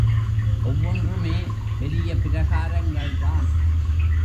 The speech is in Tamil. ஒவ்வொன்றுமே பெரிய பிரகாரங்கள்தான்.